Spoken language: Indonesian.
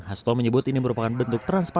hasto menyebut ini merupakan bentuk transparan